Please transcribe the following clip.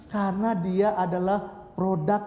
karena dia adalah produk